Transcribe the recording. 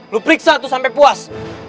lo periksa tuh sampe puas